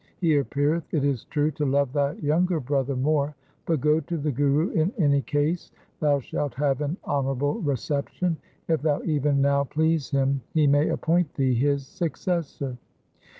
He appeareth, it is true, to love thy younger brother more. But go to the Guru in any case. Thou shalt have an honourable reception. If thou even now please him, he may appoint thee his successor.'